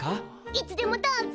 いつでもどうぞ！